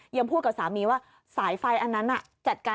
ยังพูดกับสามนี้ว่าสายไฟนั้นนั้นอ่ะ